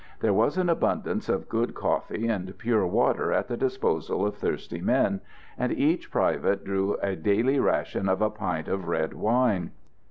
There was an abundance of good coffee and pure water at the disposal of thirsty men, and each private drew a daily ration of a pint of red wine.